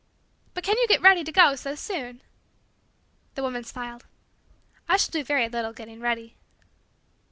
"But can you get ready to go so soon?" The woman smiled. "I shall do very little getting ready."